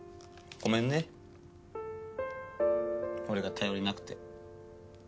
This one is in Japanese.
ごめんね俺が頼りなくて。